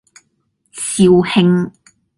肇慶